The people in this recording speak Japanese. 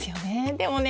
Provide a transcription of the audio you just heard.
でもね